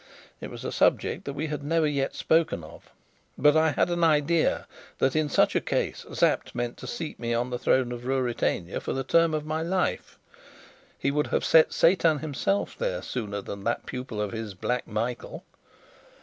It was a subject that we had never yet spoken of. But I had an idea that, in such a case, Sapt meant to seat me on the throne of Ruritania for the term of my life. He would have set Satan himself there sooner than that pupil of his, Black Michael.